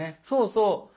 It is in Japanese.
そうそう。